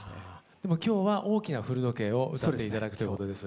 でも今日は「大きな古時計」を歌って頂くということです。